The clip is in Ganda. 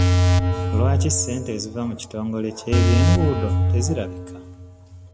Lwaki ssente eziva mu kitongole ky'ebyenguudo tezirabika?